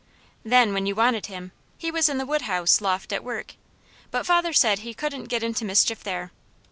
Then when you wanted him, he was in the wood house loft at work, but father said he couldn't get into mischief there.